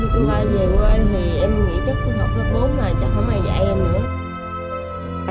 khi tôi về quê thì em nghĩ chắc tôi học lớp bốn mà chắc không ai dạy em nữa